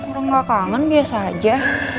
orang gak kangen biasa aja